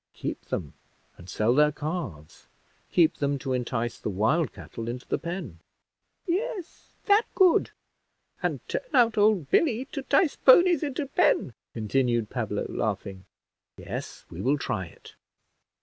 "Keep them, and sell their calves; keep them to entice the wild cattle into the pen." "Yes, that good. And turn out old Billy to 'tice ponies into pen," continued Pablo, laughing. "Yes, we will try it."